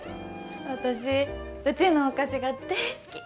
私うちのお菓子が大好き。